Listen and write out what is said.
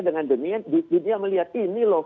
dengan demikian dunia melihat ini loh